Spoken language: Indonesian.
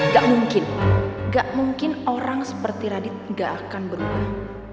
gak mungkin gak mungkin orang seperti radit gak akan berubah